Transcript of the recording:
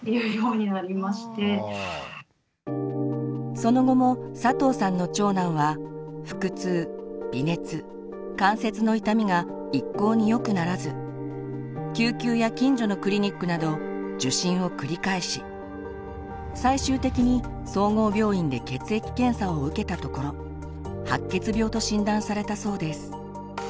その後も佐藤さんの長男は腹痛微熱関節の痛みが一向に良くならず救急や近所のクリニックなど受診を繰り返し最終的に総合病院で血液検査を受けたところ白血病と診断されたそうです。